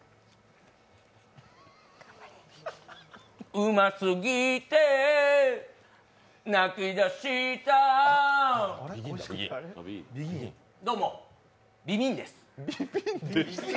うますぎて泣きだしたどうも、ビビンです。